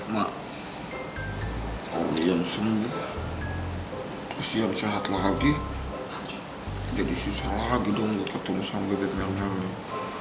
mak kalau ian sembuh terus ian sehat lagi jadi susah lagi dong buat ketemu sama beb melnya mak